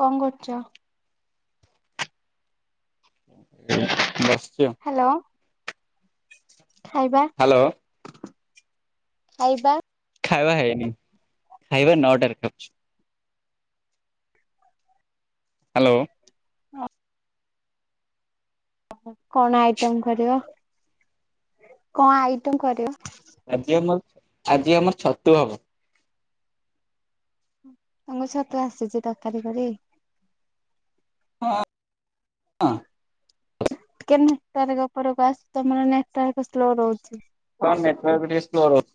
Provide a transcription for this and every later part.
କଣ କରୁଛ? ବସିଛି ଆଉ। ହ୍ୟାଲୋ। ଖାଇବା? ହ୍ୟାଲୋ। ଖାଇବା? ଖାଇବା ହେଇନି, ଖାଇବା ନଅଟାରେ ଖାଉଚୁ। ହ୍ୟାଲୋ। ହଁ। କଣ ଆଇଟମ କରିବ, କଣ ଆଇଟମ କରିବ? ଆଜି ଆମର, ଆଜି ଆମର ଛତୁ ହବ। ତମକୁ ଛତୁ ଆସିଛି ତରକାରୀ କରି? ହଁ ହଁ। କେନେ ନେଟୱର୍କ ଉପରକୁ ଆସ, ତମର ନେଟୱର୍କ ସ୍ଲୋ ରହୁଛି। କଣ ନେଟୱାର୍କ ଟିକେ ସ୍ଲୋ ରହୁଛି।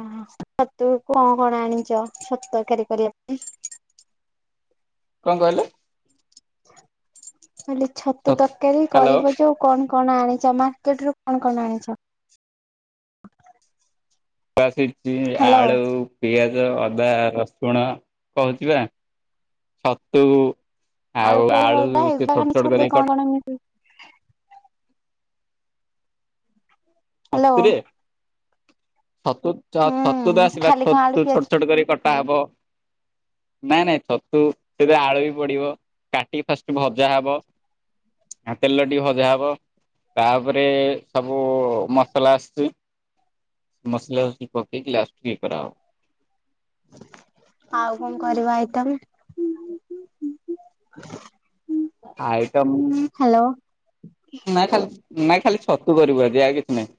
ହଁ ଛତୁ କଣ କଣ ଆଣିଛ ଛତୁ ତରକାରି କରିବା ପାଇଁ? କଣ କହିଲେ? କହିଲି ଛତୁ ତରକାରୀ ହ୍ୟାଲୋ କରିବ ଯୋଉ କଣ କଣ ଆଣିଛ, ମାର୍କେଟରୁ କଣ କଣ ଆଣିଛ? ଆସିଛି ହ୍ୟାଲୋ ଆଳୁ। ପିଆଜ, ଅଦା, ରସୁଣ କହୁଛି ବା ଛତୁ। ଆଉ ପିଆଜ ଆଳୁ ଅଦା ସିଏ ଏଗୁଡା ଛୋଟ ଖାଲି ଛୋଟ ଛତୁରେ କରି କଣ କ କଣ ମିଶେଇ ହ୍ୟାଲୋ ଛତୁରେ, ଛତୁ ଛ-ଛତୁ ତ ହୁଁ ଆସିଲା ଖାଲି କଣ ଆଳୁ ଛତୁ ପିଆଜ ଛୋଟ ଛୋଟ କରି କଟା ହବ। ନାଇଁ ନାଇଁ ଛତୁ ସେଥିରେ ଆଳୁ ବି ପଡିବ। କାଟି କି ଫାଷ୍ଟ ଭଜା ହବ। ତେଲରେ ଟିକେ ଭଜା ହବ, ତାପରେ ସବୁ ମସଲା ଆସୁଛି, ମସଲା ପକେଇକି ଲାଷ୍ଟକୁ ଇଏ କରାହେବ। ଆଉ କଣ କରିବା ଆଇଟମ? ଆଇଟମ୍ ହ୍ୟାଲୋ ନାଇଁ ଖାଲି ନାଇଁ ଖାଲି ଛତୁ କରିବୁ ଆଜି ଆଉ କିଛି ନାଇଁ।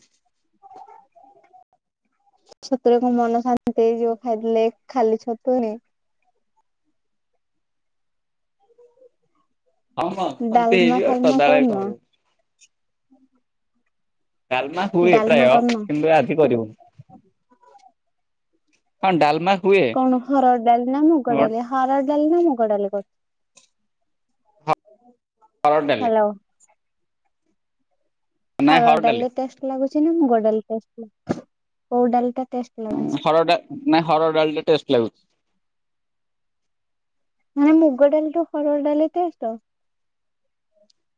ଛତୁୁର କଣ ମନ ଶାନ୍ତି ହେଇଯିବ ଖାଇଦେଲେ ଖାଲି ଛତୁରେ। ହଁ ହଁ ସେମିତି ଡାଲମା ହେଇଯିବ ଆଉ ସଦାବେଳେ କଣିବୁ ହୁଁ। କାଲମାସ ହୁଏ ପ୍ରାୟ କରିନ? କିନ୍ତୁ ଆଜି କରିବୁ ହଁ ଡାଲମା। ହୁଏ କଣ ହରଡ଼ ଡାଲି ନା ବଟ୍ ମୁଗଡାଲି ହରଡ଼ଡାଲି ନା ମୁଗ ଡାଲି କରି ହରଡ ଡ଼ାଲି। ହ୍ୟାଲୋ ନାଇଁ ହରଡ ହରଡ଼ ଡାଲି ଡାଲିରେ ଟେଷ୍ଟ ଲାଗୁଛି ନା ମୁଗ ଡାଲି କୋଉ ଡାଲି ଟା ଟେଷ୍ଟ? ଲାଗୁଛି? ହରଡା ନାଁ ହରଡ ଡାଲିଟା ଟେଷ୍ଟ ଲାଗୁଛି। ମାନେ ମୁଗ ଡାଲି ତୁ ହରଡ ଡାଲି ଟେଷ୍ଟ।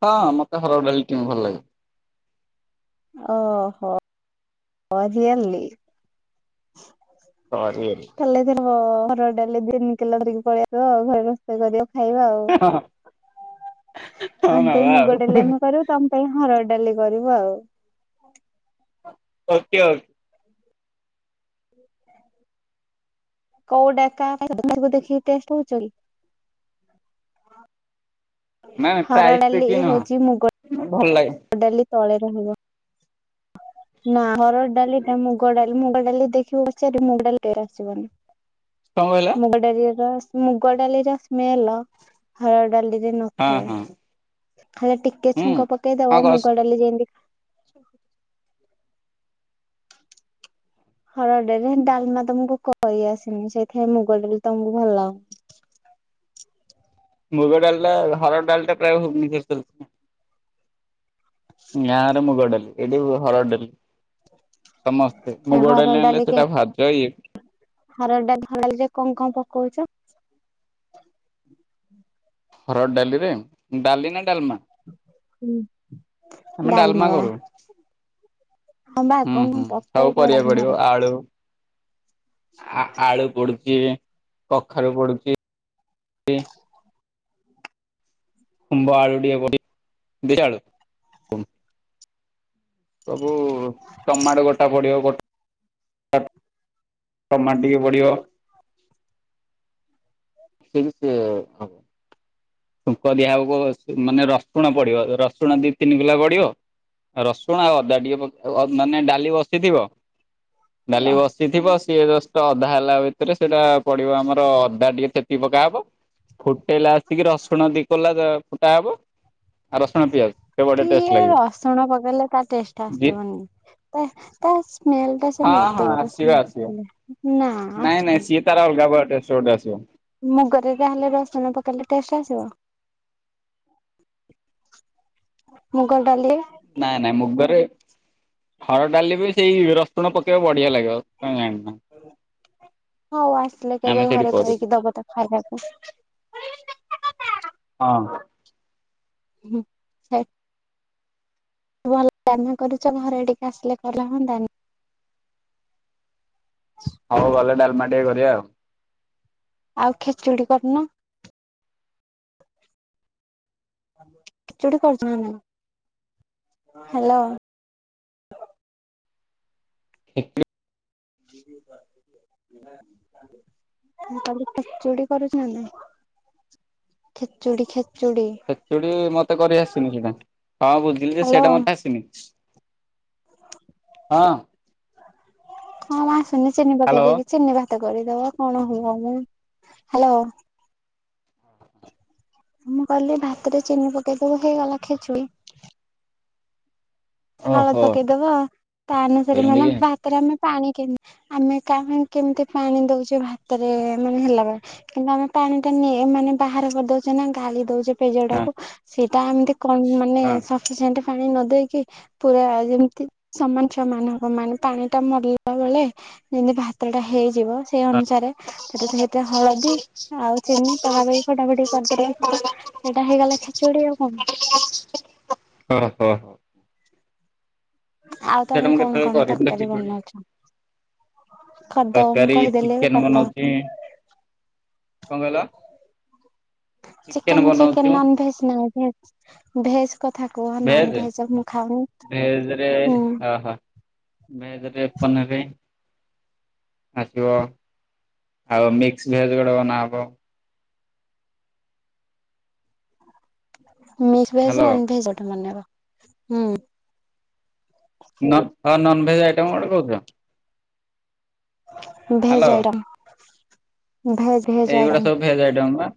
ହଁ ମତେ ହରଡ ଡାଲିି କେମି ଭଲ ଲାଗେ। ଓହୋ। [inaudible] ହରଡ ସରି ଡାଲି ଦିନିକିଲ ଧରିକି ପଳେଇଆସିବ ଆଉ ଘରେ ରୋସେଇ କର। ଖାଇବା ଆଉ ହଁ ଆମ ନବା ପାଇଁ ଆଉ ମୁଗ ଡାଲି ଆମେ କରିବୁ। ତମ ପାଇଁ ହରଡ ଡାଲି କରିବ ଆଉ, ଓକେ ଓକେ। କୋଉ ଡାକା ତମକୁ ଦେଖିକି ଟେଷ୍ଟ କହୁଛି? ନାଇଁ ନାଇଁ ହାର ପ୍ରାଇସ୍ ଡାଲି ଦେଖିକି ଏ ନୁହଁ ହଉଚି ମୁଗ ଭଲ ଲାଗେ ଡାଲି ତଳେ ରହିବ। ନା ହରର ଡାଲି ଟା ମୁଗ ଡାଲି ମୁଗ ଡାଲି ଦେଖିବ ସଆ ମୁଗ ଡାଲିରେ ଆସିବନି। କଣ କହିଲ? ମୁଗ ଡାଲି ର ମୁଗ ଡାଲିର ସ୍ମେଲ ହଳ ଡାଲିରେ ନ ହଁ ରେ ହଁ। ଖାଲି ଟିକେ ହୁଁ ଛୁଙ୍କ ହଁ ପକେଇଦବ କସ୍ ମୁଗଡ଼ାଲି ଯେମତି ହରଡ ଡ଼ାଲିରେ ଡାଲମା ତମକୁ କରି ଆସେନି ସେଇଥିପାଇଁ ମୁଗ ଡାଲି ତମକୁ ଭଲ। ମୁୃଗ ଡାଲ ଟା ହର ଡାଲ ଟା ପ୍ରାୟଜରେ ଚାଲିଛି। ୟାର ମୁଗଡ଼ାଲି ଏଇଡି ହରଡ଼ାଲି। ସମସ୍ତେ ସେ ମୁଁ ମୁଗ ହରଡ଼ ଡାଲି ଆଣିଲେ ସେଟା ଭାଜ ଇଏ ହରଡ ଡାଲିରେ କଣ କଣ ପକଉଛ? ହରଡ଼ ଡାଲି ରେ ଡାଲି ନା ଡାଲମା? ହୁଁ ଆମେ ଡାଲମା ଡ଼ାଲମାବା? କରୁ ହଁ ବା ହୁଁ କଣ ହୁଁ କଣ ସବୁ ପକଉଛ ପରିବା ପଡିବ ଡାଲମାରେ? ଆଳୁ ଆ ଆଳୁ ପଡୁଛି କଖାରୁ ପଡୁଛି। ଖୁମ୍ବ ଆଳୁ ଦିବ ଆଳୁ। ସବୁ ଟମାଟ ଗୋଟା ପଡିବ ଗୋଟ ଟମାଟ ଟିକେ ପଡ଼ିବ। ସେହି ସେ ଛୁଙ୍କ ଦିଆ ହବ ମାନେ ରସୁଣ ପଡିବ ରସୁଣ ଦି ତିନି କୋଲା ପଡିବ। ରସୁଣ ଆଉ ଅଦା ଟିକେ ମାନେ ଡାଲି ବସିଥିବ ଡାଲି ବସିଥିବ। ସିଏ ଜଷ୍ଟ ଅଧା ହେଲା ଭିତରେ ସେଇଟା ପଡିବ ଆମର ଅଦା ଟିକେ ଛେଚି ପକା ହବ। ଫୁଟେଇଲା ଆସିକି ରସୁଣ ଦି କୋଲା ଫୁଟା ହବ ଆଉ ରସୁଣ ପିଆଜ। ସେ କି ବଢିଆ ଟେଷ୍ଟ ଲାଗିବ। ରସୁଣ ପକେଇଲେ ତା ଟେଷ୍ଟ ଜି ଆସିବନି। ତା ସ୍ମେଲଟା ସେ ହଁ ହଁ ମଦର ଆସିବ ସ୍ମେଲ ଆସିବ ଭଳିଆ ଲାଗେ। ନାଇଁ ନାଇଁ ସୀଏ ତାର ଅଲଗା ଗୋଟେ ଟେଷ୍ଟ ଆସିବ? ମୁଁ କହିଲି ହେଲେ ରସୁଣ ପକେଇଲେ ଟେଷ୍ଟ ଆସିବ? [unintelligible] ନାଇଁ ନାଇଁ ମୁଗରେ ହରଡ଼ ଡାଲି ବି ସେଇ ରସୁଣ ପକେଇବ ବଢିଆ ଲାଗିବ ତମେ ଜାଣିନା। ହଉ ଆସିଲେ ଆମେ କେବେ ସେଇଠି ଘରେ କରୁ କରିକି ଦବ ତା ଖାଇବାକୁ। ହଁ। ହୁଁ ହେ ଭଲ ରାନ୍ଧନା କରୁଚ ଘରେ ଟିକେ ଆସିଲେ କଲେ ହୁଅନ୍ତାନି। ହ ହଉ ଗଲେ ଡାଲମା ଟିକେ କରିବା ଆଉ। ଆଉ ଖେଚୁଡ଼ି କରୁନ। ଖେଚୁଡ଼ି କରିଚ ନା ନାଇଁ? ହ୍ୟାଲୋ। [unintelligible] [inaudible] ମୁଁ କହିଲି ଖେଚୁଡି କରୁଚ ନା? ଖେଚୁଡି ଖେ ଖେଚୁଡ଼ି ମତେ କରି ଆସିନି ସେଇଟା। ହିଁ ବୁଝିଲି ଯେ ହ୍ୟାଲୋ। ସେଇଟା ମତେ ଆସିନି। ହଁ। କଣ ମ ଆସୁନି ଚିନି ହ୍ୟାଲୋ ପକେଇଦେଇକି ଚିନି ଭା ତ କରିଦବ କଣ ହବନି। ହ୍ୟାଲୋ। ମୁଁ କହିଲି ଭାତରେ ଚିନି ପକେଇଦବ ହେଇଗଲା ଖେଚୁଡି। ହାଳ ଓହୋ ପକେଇଦବ ତା ଅନୁସାରେ ମାନେ ଏମିତିକି ଭା ଭାତରେ ଆମେ ପାଣି କେମୀ ଆମେ କା କେମିତି ପାଣି ଦଉଚେ ଭାତରେ ମାନେ ହେଲା ବେଳେ କିନ୍ତୁ ଆମେ ପାଣି ଟା ନି ମାନେ ବାହାର କରିଦଉଚେ ନା ଗାଳି ଦଉଚେ ପେଜ ହଁ। ଟାକୁ। ସେଇଟା ଏମିତି କମ୍ ମାନେ ହଁ ସପିସେଣ୍ଟ ପାଣି ନ ଦେଇେକି ପୁରା ଯେମିତି ସମାନେ ସମାନେ ହବ ମାନେ ପାଣିଟା ମରିଲା ବେଳେ ଯେମୀତି ଭାତ ଟା ହେଇଯିବ ସେଇ ହଁ ଅନୁସାରେ ସେଥିରେ ହଳଦୀ ଆଉ ଚିନି ପକାପି ଫଟା ଫଟି କରିଦେଲେ ତ ସେଇଟା ହେଇଗଲା ଖେଚୁଡି ଆଉ କଁ। [unintelligible] ଓ ହୋ। ଆଉ ତମେ ସେଇଟା ମୁଁ କଣ କେତେବେଳେ କଣ କରିନି ତ ତରକାରୀ ଖିଚୁଡ଼ି। ବନଉଛ? କରିଦବ ମୁଁ ତରକାରୀ କହିଦେଲି ଏବେ ଚିକେନ କରିଦବ। ବନୋଉଚି। କଣ କହିଲ? ଚିକେନ ଚିକେନ୍ ଚିକେନ୍ ବନଉଛୁ ନନ ଭେଜ୍ ନାଁ ଭେଜ୍? ଭେଜ୍ ସେ କଥା କୁହନା ଭେଜ ନନ ଭେଜ୍ ମୁଁ ଖାଉନି ଭେଜରେ ହୁଁ। ଅହ ଭେଜରେ ପନିରି ଆସିବ ଆଉ ମିକ୍ସ ଭେଜ୍ ଗୋଟେ ବନାହେବ। Mix veg hello non veg ଗୋଟେ ବନେଇବ ହୁଁ। ନ ନନ୍ ଭେଜ୍ ଆଇଟମ୍ ଗୋଟେ କହୁଥିଲ? Veg hello item. ଏଇଗୁଡା ସବୁ ଭେଜ୍ଆଇଟମ ପା।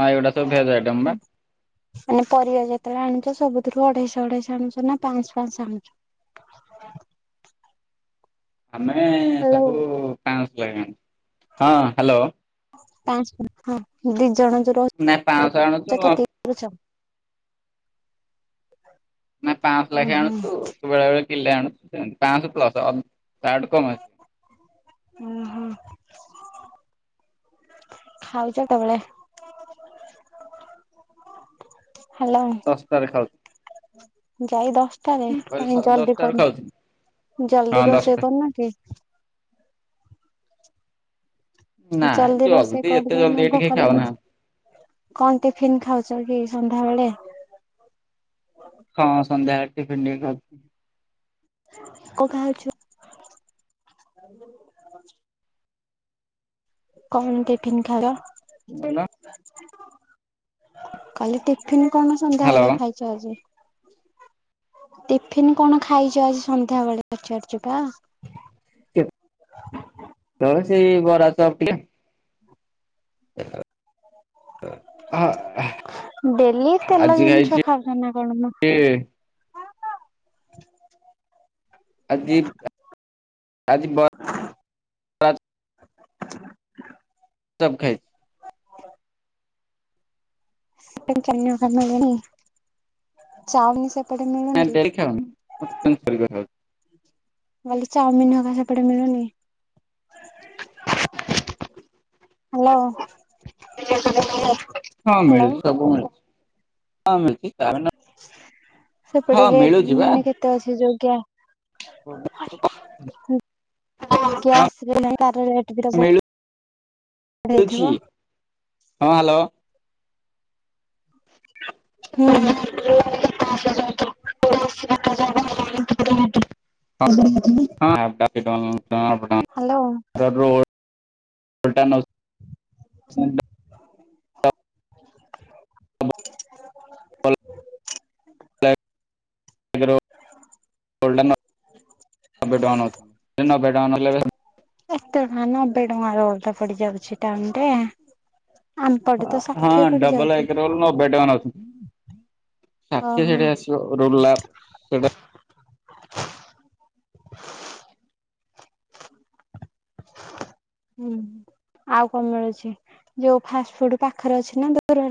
ହଁ ଏଇଗୁଡା ସବୁ ଭେଜ୍ଆଇଟମ ପା। ମାନେ ପରିବା ଯେତେବେଳେ ଆଣୁଚ ସବୁଥିରୁ ଅଢେଇଶ ଅଢେଇଶ ଆଣୁଚ ନା ପାଁସ ପାଁସ ଆଣୁଚ? ଆମେ ହ୍ୟାଲୋ। ସବୁ ପାଁଶ ଲେଖା ଆଣୁ। ହଁ ହ୍ୟାଲୋ। ପାଁଶ [unintelligible] ହଁ ଦି ଜଣ ଯୋଉ ନା ପାଞ୍ଚଶହ ଆଣୁଛୁ ରହୁଚ କେତିକି କରୁଚ? ନା ପାଁଶହ ଲେଖେଏ ଆଣୁଚୁ ବେଳେ ବେଳେ କିଲେ ଆଣୁଚୁ ପାଁଶହ ପ୍ଲସ ଅ ତାଠୁ କମ ନୁହେଁ। ଓ ହୋ। ଖାଉଚ କେତେବେଳେ? ହ୍ୟାଲୋ। ଶସ୍ତାରେ ଖାଉଚି। ଯାଇ ଦଶଟାରେ କହିଲି କାହିଁ ଜଲଦି ଦଶଟାରେ କରୁ ଖାଉଛୁ ହଁ ଜଲଦି ଦଶଟା ରୋଷେଇ କରୁନ କି? ନାଇଁ ଜଲଦି ରୋଷେଇ ଜଲ୍ଦି ଏତେ ଜଲ୍ଦି କରିଦଉନ ଏଠି କେହି ଭୋକ ଲା ଖାଉନାହାନ୍ତି କଣ ଟିଫିିନି ଖାଉଚ କି ସନ୍ଧ୍ୟା ବେଳେ? ହଁ ସନ୍ଧ୍ୟା ବେଳେ ଟିଫିନି ଟିକେ ଖାଇଚି। କଣ ଖାଉଚ? [unintelligible] କଣ ଟିଫିନି ଖାଉଚ? [unintelligible] କଲି ଟିଫିନି କଣ ସନ୍ଧ୍ୟା ହ୍ୟାଲୋ ବେଳେ ଖାଇ [unintelligible] ଟିଫିନ କଣ ଖାଇଚ ଆଜି ସନ୍ଧ୍ୟା ବେଳେ ପଚାରୁଚି ପା। ତ ସେ ବରା ଚପ ଟିକେ। ହାଲେ? ଡେଲି ତେଲ ଜିନିଷ ଖାଉଚ ନା କଣ ମ? ଏ ଆଜି ଆଜି ବ ହ [unintelligible] [unintelligible] ନାଇଁ କି? ଡେଲି ଖାଉନି [unintelligible] ନଲେ ଚାଉମିନ ହକା ସେପଟେ ମିଳୁନି କି? ହ୍ୟାଲୋ। ହଁ ହ୍ୟାଲୋ। ମିଳୁଚି ସବୁ ମିଳୁଚି ହଁ ମିଳୁଚି। ଚାଉମିନି ରା ସେପଟେ ରେଟ ବା ମାନେ କେତେ ଅଛି ଯୋଉ ଗ୍ୟ [unintelligible] ଗ୍ୟାସ ରେ [unintelligible] ତ ରେଟ [unintelligible] ହଁ ବଢେଇଥିବ। ହ୍ୟାଲୋ। ହୁଁ। [unintelligible] [inaudible] ହ୍ୟାଲୋ। ରୋଡ଼ [unintelligible] ନ [unintelligible] [unintelligible] ଏତେ ଟଙ୍କା ନବେ ଟଙ୍କା ର ରୋଲ ଟା ପଡି ଯାଉଚି ଟାଉନ ରେ। ଆମ୍ପଟେ ତ ହଁ ଷାଠିଏ ପଡି ଡବଲ ଯାଉଚି। ଏକ ରୋଲ ସାଠିଏ ସେଠିଏ ଆସିବ ରୋଲା ହୁଁ ଆଉ କଣ ମିଳୁଚି ଯୋଉ ଫାଷ୍ଟ ଫୁଡ ପାଖରେ ଅଛି ନା ଦୂର